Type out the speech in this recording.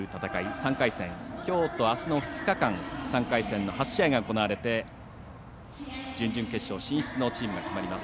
３回戦、きょうと、あすの２日間３回戦の８試合が行われて準々決勝進出のチームが決まります。